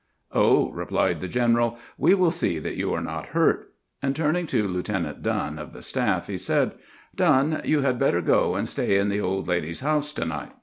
" Oh," replied the general, " we will see that you are not hurt "; and turning to Lieutenant Dunn of the staff, he said: " Dunn, you had better go and stay in the old lady's house to night.